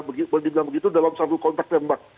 berdibang begitu dalam satu kontak tembak